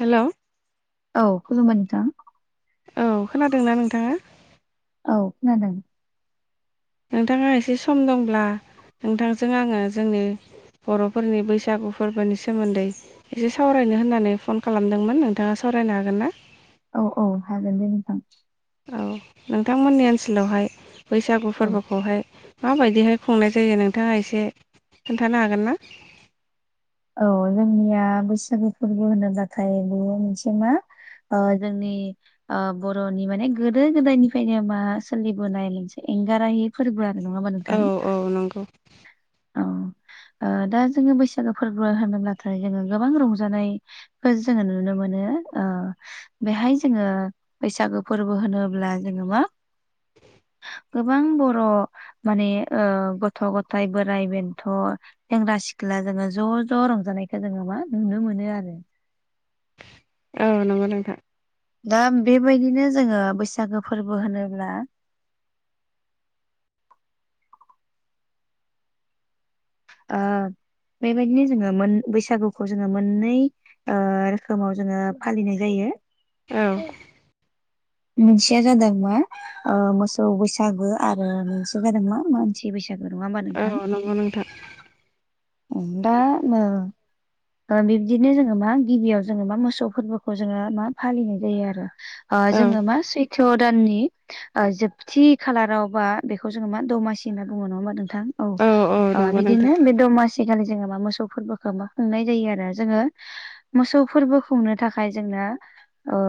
हेल' औ खुलुमबाय नोंथां। औ खोनादोंना नोंथाङा? औ खोनादों। नोंथाङा एसे सम दंब्ला नोंथांजों आङो जोंनि बर'फोरनि बैसागु फोरबोनि सोमोन्दै एसे सावरायनो होननानै फन खालामदोंमोन नोंथाङा सावरायनो हागोन ना? औ औ हागोन दे नोंथां। औ नोंथांमोननि ओनसोलावहाय बैसागु औ फोरबोखौहाय माबायदिहाय खुंनाय जायो नोंथाङा एसे खिन्थानो हागोन ना? औ जोंनिया बैसागो फोरबो होनोब्लाथाय बे मोनसे मा ओ जोंनि ओ बर'नि माने गोदो गोदायनिफ्रायनो मा सोलिबोनाय मोनसे एंगारहायि फोरबो आरो नङाबा औ नोंथां। औ नंगौ। औ [inaudible] ओ दा जोङो बैसागो फोरबो होनोब्लाथाय जोङो गोबां रंजानाय फो जोङो नुनो मोनो। ओ बेहाय जोङो बैसागो फोरबो होनोब्ला जोङो मा गोबां बर' माने ओ गथ' गथाय बोराय बेन्थ' सेंग्रा सिख्ला जोङो ज' ज' रंजानायखौ जोङो मा नुनो मोनो आरो। औ नोंगौ नोंथां। दा बेबायदिनो जोङो बैसागो फोरबो होनोब्ला आ बेबायदिनो जोङो मोन बैसागुखौ जोङो मोननै ओ रोखोमाव जोङो फालिनाय जायो। औ मोनसेया जादों मा ओ मोसौ बैसागो आरो मोनसे जादों मा मान सि बैसागो नङा होममा नोंथां? नोंगौ नोंथां। उम दा नो ओ बिबदिनो जोङो मा गिबियाव जोङो मा मोसौ फोरबोखौ जोङो मा फालिनाय जायो आरो। ओ औ जोङो मा सैथ' दाननि ओ जोबथि खालारावबा बेखौ जोङो मा दमासि होनना बुङो नङा होमा नोंथां औ ओ बिदिनो बे दमासिखालि जोङो मा मोसौ फोरबोखौ खुंनाय जायो आरो जोङो मोसौ फोरबो खुंनो थाखाय जोंना ओ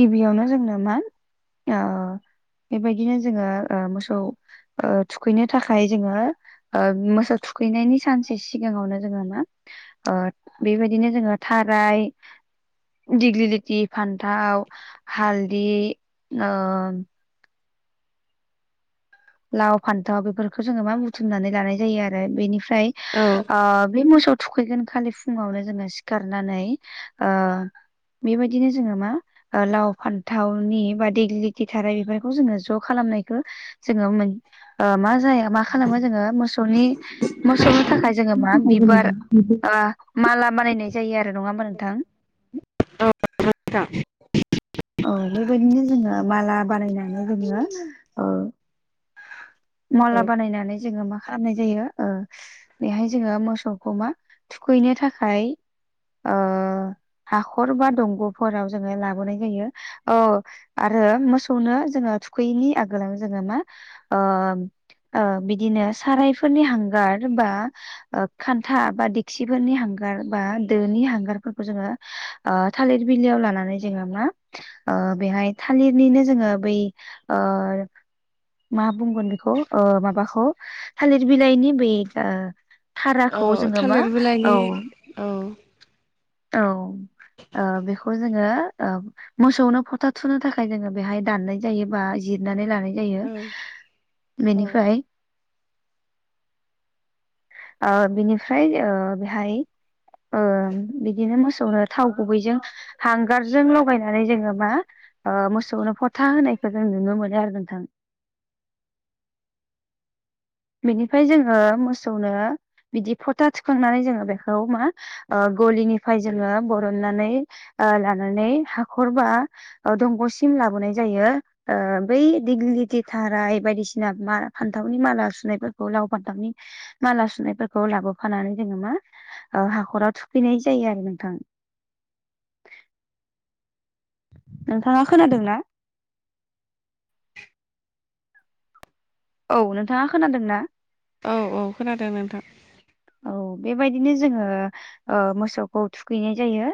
गिबियावनो जोंनो मा ओ बेबायदिनो जोङो ओ मोसौ ओ थुखैनो थाखाय जोङो ओ मोसौ थुखैनायनि सानसे सिगाङावनो जोङो मा ओ बेबायदिनो जोङो थाराय दिग्लिदथि फान्थाव हालदि ओ लाव, फान्थाव बेफोरखौ जोङो मा बुथुमनानै लानाय जायो आरो बेनिफ्राय औ ओ बे मोसौ थुखैगोन खालि फुङावनो जोङो सिखारनानै ओ बेबायदिनो जोङो मा ओ लाव, फान्थावनि बा देग्लिगथ बेफोरखौ जोङो ज' खालामनायखौ जोङो मोन ओ मा जाया मा खालामो जोङो मोसौनि मोसौनि थाखाय जोङो मा बिबार ओ माला बानायनाय जायो आरो नङा होनोमा नोंथां। [inaudible] औ बेबायदिनो जोङो माला बानायनानै जोङो ओ औ मला बानायनानै जोङो मा खालामनाय जायो ओ बेहाय जोङो मोसौखौ मा थुखैनो थाखाय ओ हाखर बा दंग'फोराव जोङो लाबोनाय जायो औ आरो मोसौनो जोङो थुखैयैनि आगोलाव जोङो मा ओ बिदिनो ओ सारायफोरनि हांगार बा ओ खान्था बा दिक्सिफोरनि हांगार बा दोनि हांगारफोरखौ जोङो ओ थालिर बिलयाव लानानै जोङो मा ओ बेहाय थालिरनिनो जोङो बै ओ मा बुंगोन बेखौ ओ माबाखौ थालिर बिलाइनि बे ओ औ धाराखौ जोङो मा थालिर बिलाइनि औ औ औ ओ बेखौ जोङो मोसौनो फोथा थुनो थाखाय जोङो बेहाय दाननाय जायो बा जिरनानै लानाय जायो औ औ बेनिफ्राय [inaudible] ओ बिनिफ्राय बेहाय ओ बिदिनो मोसौनो थाव गुबैजों हांगारजों लगायनानै जोङो मा ओ मोसौनो फथा होनायखौ जों नुनो मोनो आरो नोंथां बेनिफ्राय जोङो मोसौनो बिदि फथा थुखांनानै जोङो बेखौ मा ओ गलिनिफ्राय जोङो बरननानै ओ लानानै हाखरबा ओ दंग'सिम लाबोनाय जायो। ओ बै दिग्लिथिथाराय बायदिसिना मा फान्थावनि माला सुनायफोरखौ लाव, फान्थावनि माला सुनायफोरखौ लाबोफानानै जोङो मा ओ हाखराव थुखैनाय जायो आरो नोंथां। नोंथाङा खोनादों ना औ नोंथाङा खोनादों ना? औ औ खोनादों नोंथां। औ बेबायदिनो जोङो ओ मोसौखौ थुखैनाय जायो।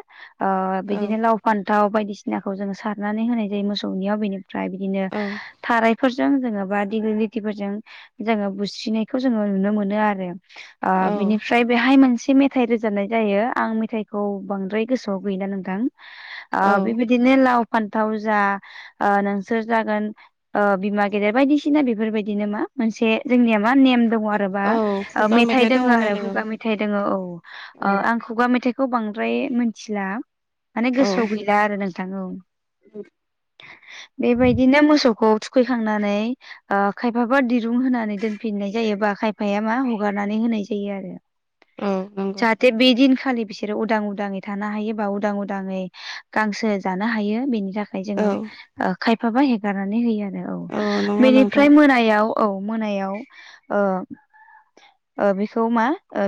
ओ औ बिदिनो लाव, फान्थाव बायदिसिनाखौ जोंङो सारनानै होनाय जायो मोसौनियाव बेनि फ्राय बिदिनो औ थारायफोरजों जोङो बा दिग्लि लथिफोरजों जोङो बुस्रिनायखौ जोङो नुनो मोनो आरो ओ औ बिनिफ्राय बेहाय मोनसे मे मेथाइ रोजाबनाय जायो आं मेथाइखौ बांद्राय गोसोआव गैला नोंथां ओ औ बेबायदिनो लाव फान्थाव जा ओ नोंसोर जागोन ओ बिमा गेदेर बायदिसिना बेफोरबायदिनो मा मोनसे जोंनिया मा नेम दङ आरो रोबा औ ओ खुगा मेथाय मेथाइ दङ दोङो आरो नालाय औ खुगा मेथाइ दोङो औ ओ आं खुगा मेथाइखौ बांद्राय मिथिला माने औ गोसोआव गैला आरो नोंथां औ बेबायदिनो मोसौखौ थुखैखांनानै ओ खायफाबा दिरुं होनानै दोनफिननाय जायो बा खायफाया मा हगार नानै जायो आरो औ नंगौ जाहाथे बे दिनखालि बिसोरो उदां उदाङै थानो हायो बा उदां उदाङै गांसो जानो हायो बेनि थाखाय फाय जोङो औ ओ खायफाबा हेगारनानै होयो आरो औ नंगौ नोंथां बेनिफ्राय मोनायाव औ मोनायाव ओ ओ बेखौ मा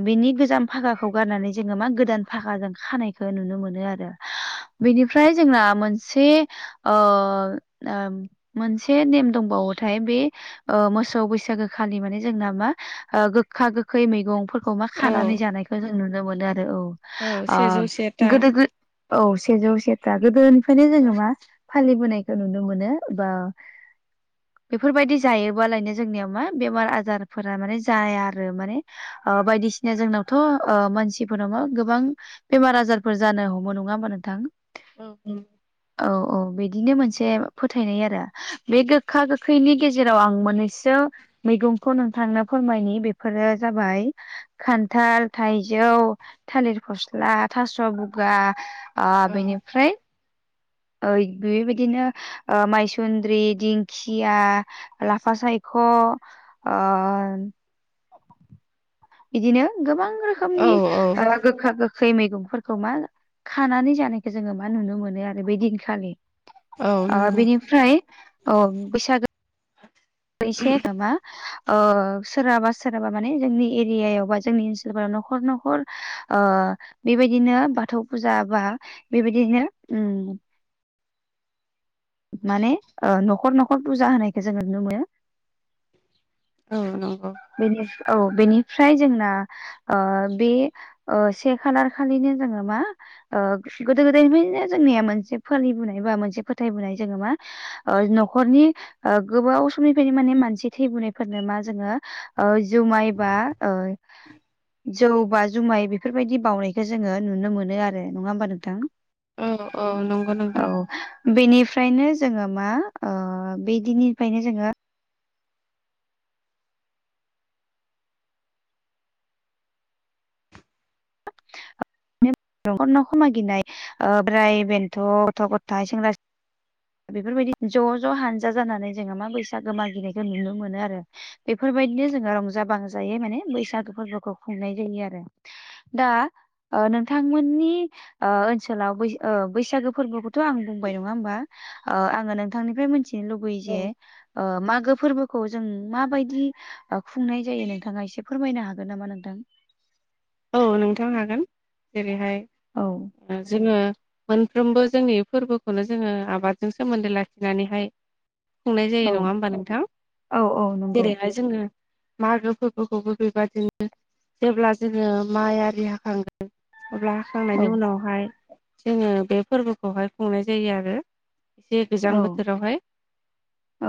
बेनि गोजाम फागाखौ गारनानै जोङो मा गोदान फागाजों खानाय खो नुनो मोनो आरो बेनिफ्राय जोंआ मोनसे अ ओम मोनसे नेम दंबावोथाय बे ओ मोसौ बैसागो खालि माने जोंना मा ओ गोग खा गोखै मैगंफोरखौ मा औ खानानै जानायखौ जों नुनो मोनो आरो औ औ ओ सेजौ सेथा गोदो गो औ सेजौ सेथा गोदोनिफ्रायनो औ जोङो मा फालिबोनायखौ नुनो मोनो बा बेफोरबायदि जायोबालायनो जोंनियाव मा बेमार आजारफोरा माने जाया आरो माने अ बायदिसिना जोंनावथ' ओ मानसिफोर नावन गोबां बेमार आजारफोर जानो हमो नङा होमबा नोंथां? औ औ औ औ बिदिनो मोनसे फोथायनाय आरो बे गोखा गोखैनि गेजेराव आं मोननैसो मैगंखौ नोंथांनो फोरमायनि बेफोरो जाबाय खान्थाल, थाइजौ, थालिर फस्ला, थास' बुगा आ औ बेनिफ्राय ओ बेबायदिनो ओ मायसुन्द्रि, दिंखिया लाफा सायख' ओन इदिनो गोबां औ रोखोमनि औ ओग गोखा गोखै मैगंफोरखौ मा खानानै जानायखौ जोङो मा नुनो मोनो आरो बै दिनखालि औ ओ नंगौ बेनिफ्राय औ बैसागो बैसे गोमा ओ सोरहाबा सोरहाबा माने जोंनि एरियायाव बा जोंनि ओनसोलफोराव न'खर न'खर ओ बेबायदिनो बाथौ फुजा बा बेबायदिनो उम माने ओ न'खर न'खर पुजा होनायखौ जोङो नुनो मोनो औ नंगौ बेनिफ औ बेनिफ्राय जोंना ओ बे ओ से खालार खालिनो जोङो मा ओ गोदो गोदायनिफ्रायनो जोंनिया मोनसे फालिबोनाय बा मोनसे फोथायबोनाय जोङो मा ओ न'खरनि ओ गोबाव समनिफ्रायनो माने मानसि थैबोनायफोरनो मा जोङो ओ जुमायबा ओ जौ बा जुमाय बेफोरबायदि बावनायखौ जोङो नुनो मोनो आरो नङा होमबा नोंथां औ औ नंगौ नोंथां औ बेनिफ्रायनो जोङो मा ओ बैदिनिफ्रायनो जोङो नखर नखर मागिनाय ओ बोराय बेनथ' गथ' गथाय सेंग्रा सि बेफोरबायदि ज' ज' हानजा जानानै जोङो मा बैसागो मागिनायखौ नुनो मोनो आरो बेफोरबायदिनो जोङो रंजा बाजायै माने बैसागो फोरबोखौ खुंनाय जायो आरो दा ओ नोंथांमोननि ओ ओनसोलाव बै बैसागो फोरबोखौथ'आं बुंबाय नङा होमबा ओ आङो नोंथांनिफ्राय मिथिनो लुुगैयो औ जे ओ मागो फोरबोखौ जों माबायदि ओ खुंनाय जायो? नोंथाङा एसे फोरमायनो हागोन नामा नोंथां? औ नोंथां हागोन। जेरैहाय औ ओ जोङो मोनफ्रोमबो जोंनि फोरबोखौनो जोङो आबादजों सोमोन्दो लाखिनानैहाय खुंनाय जायो। औ नङा होमबा नोंथां? औ औ नंगौ जेरैहाय जोङो मागो फोरबोखौबो बेबादिनो जेब्ला जोङो माइ आरि हाखांनानै अब्ला औ हाखांनायनि उनावहाय जोङो बे फोरबोखौहाय खुंनाय जायो आरो। जे गोजां औ बोथोरावहाय औ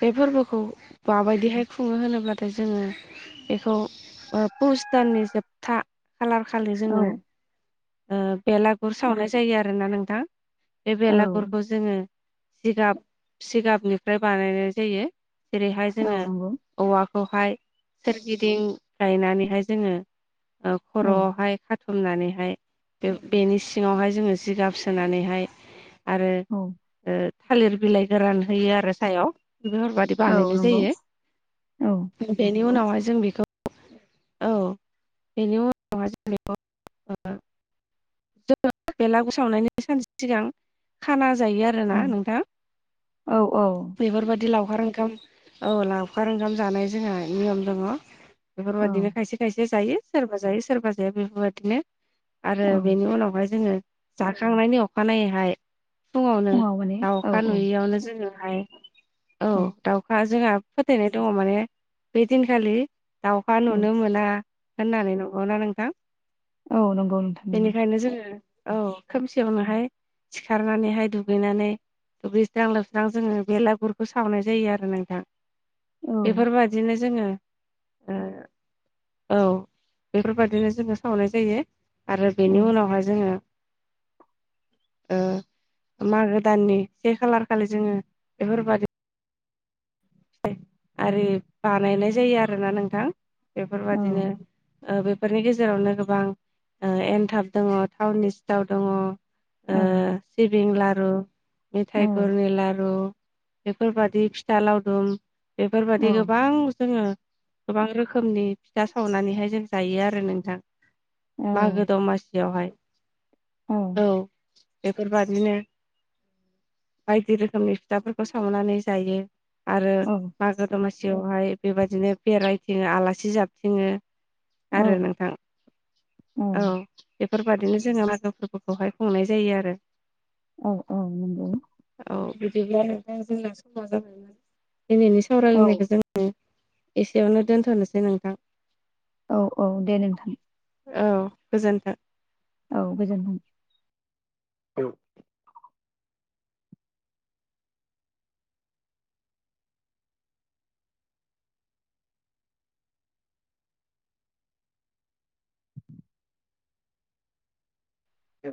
बे फोरबोखौ माबायदिहाय खुङो होनोब्लाथाय जोङो बेखौ ओ पुस दाननि जोबथा खालार खालि औ जोङो ओ बेलागुर सावनाय जायो आरोना नोंथां। बे औ बेलागुरखौ जोङो जिगाब-सिगाबनिफ्राय बानायनाय जायो। जेरैहाय औ जोङो नंगौ औवाखौहाय सोरगिदिं गायनानैहाय जोङो ओ औ खर'आवहाय खा थुमनानैहाय बेनि सिङावहाय जोङो जिगाब सोनानैहाय आरो औ ओ थालिर बिलाइ गोरान होयो आरो सायाव बेफोरबायदि औ बानायनाय नंगौ जायो। औ बेनि उनावहाय जों बेखौ औ बेनि उनाव जों बेखौ ओ जोङो बेलागुर सावनायनि सानसे सिगां खाना जायो औ आरोना नोंथाङा। औ बेफोरबायदि लावखार ओंखाम औ लावखार ओंखाम जानाय जोंहा नियम दङ। बेफोर औ बायदिनो खायसे जायो सोरबा जायो सोरबा जाया बेफोरबायदिनो आरो औ बेनि उनावहाय जोङो जाखांनायनि अखानायैहाय फुङावनो फुङाव माने औ दाउखा औ नुयैयावनो जोङो हाय औ दाउखा जोंहा फोथायनाय दङ माने बै दिनखालि दाउखा औ नुनो मोना होननानै। नंगौना नोंथां? औ नंगौ नोंथां नंगौ बेनिखायनो जोङो औ खोमसियावनोहाय सिखारनानैहाय दुगैनानै दुबस्रां-लोबस्रां जोङो बेलागुरखौ सावनाय जायो आरो नोंथां। औ बेफोरबायदिनो जोङो औ बेफोरबायदिनो जोङो सावनाय जायो। आरो औ बेनि उनावहाय जोङो ओ मागो दाननि से खालार खालि जोङो बेफोरबायदि आरि बानायनाय जायो आरोना नोंथां। औ बेफोरबायदिनो ओ बेफोरनि गेजेरावनो गोबां ओ एनथाब दङ, थाावननि सिथाव दङ ओ औ सिबिं लारु, औ मेथाइ गुरनि लारु बेफोरबायदि फिथा लावदुम औ बेफोरबायदि गोबां जोङो गोबां रोखोमनि फिथा सावनानैहाय जों जायो आरो नोंथां। औ मागो दमासियावहाय औ बेफोरबादिनो बायदि रोखोमनि फिथाफोरखौ सावनानै जायो। आरो मागो दमासियावहाय बेबायदिनो बेरायथिङो आलासि जाबथिङो औ आरो नोंथां। औ बेफोरबायदिनो जोङो मागो फोरबोखौहाय खुंनाय जायो आरो औ औ नंगौ। औ बिदिब्ला आरो दा जोंना समा जाबाय दिनैनि औ सावरायलायनायखौ जोङो एसेयावनो दोनथ'नोसै नोंथां। औ औ दे नोंथां। औ गोजोन्थों। औ गोजोनथों। ए।